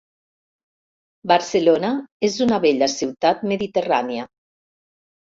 Barcelona es una bella ciutat mediterrània